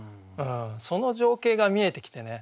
その情景が見えてきてね